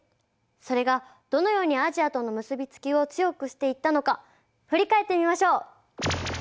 それがどのようにアジアとの結び付きを強くしていったのか振り返ってみましょう。